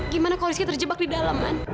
gimana kok rizky terjebak di dalam man